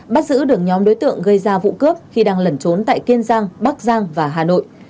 bắt giữ được nhóm đối tượng gây ra vụ cướp khi đang lẩn trốn tại kiên giang bắc giang và hà nội